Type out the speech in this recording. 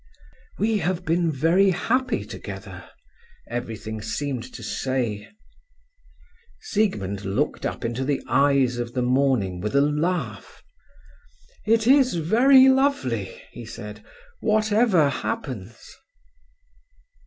"We have been very happy together," everything seemed to say. Siegmund looked up into the eyes of the morning with a laugh. "It is very lovely," he said, "whatever happens."